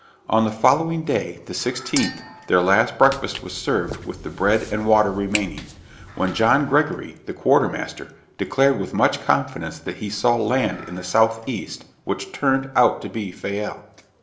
On the following day, the sixteenth, their last breakfast was served with the bread and water remaining, when John Gregory, the quarter master, declared with much confidence that he saw land in the south east, which turned out to be Fayal.